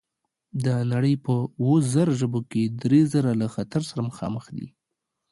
د نړۍ په اووه زره ژبو کې درې زره له خطر سره مخامخ دي.